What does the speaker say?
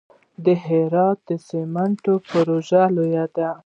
د هرات سمنټو پروژه لویه ده